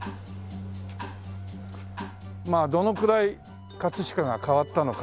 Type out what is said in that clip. まあどのくらい飾が変わったのかというね。